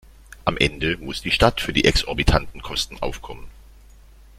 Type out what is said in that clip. Am Ende muss die Stadt für die exorbitanten Kosten aufkommen.